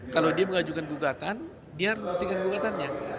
kalau dia mengajukan gugatan dia harus membuktikan gugatannya